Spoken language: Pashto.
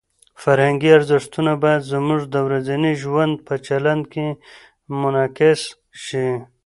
فرهنګي ارزښتونه باید زموږ د ورځني ژوند په چلند کې منعکس شي.